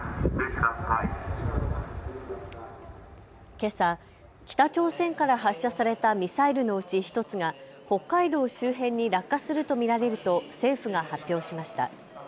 けさ、北朝鮮から発射されたミサイルのうち１つが北海道周辺に落下すると見られると政府が発表しました。